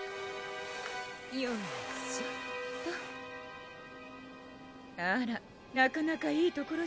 よいしょっとあらなかなかいい所じゃない